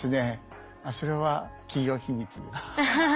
あっそれは企業秘密です。